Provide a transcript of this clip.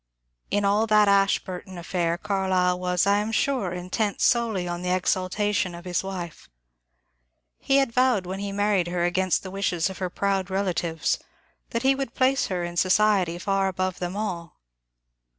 In all that Ashburton affair Carlyle was, I am sure, intent solely on the exaltation of his wife. He had vowed when he married her against the wishes of her proud rela tives that he would place her in society far above them all.